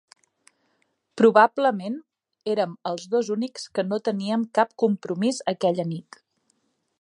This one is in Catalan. Probablement érem els dos únics que no teníem cap compromís aquella nit.